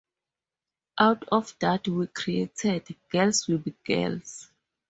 Out of that we created "Girls Will Be Girls".